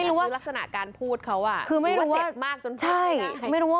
หรือลักษณะการพูดเขาหรือว่าเจ็บมากจนพ่อไม่ได้